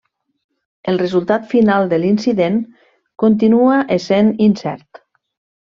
El resultat final de l'incident continua essent incert.